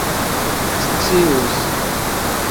scius